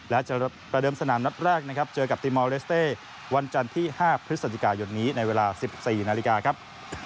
และจะประเดิมสนามนัดแรกนะครับเจอกับติมอลเลสเต้วันจันทร์ที่๕พฤศจิกายนนี้ในเวลา๑๔นาฬิกาครับ